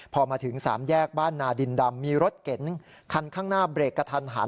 พอมาถึงสามแยกบ้านนาดินดำมีรถเก๋งคันข้างหน้าเบรกกระทันหัน